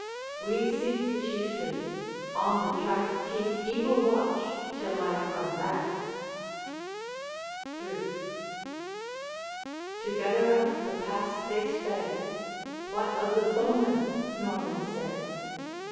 We seek the Chieftain; on the track Keep eagle watch till I come back.' III. Together up the pass they sped: 'What of the foeman?' Norman said.